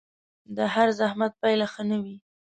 د هر زحمت پايله ښه نه وي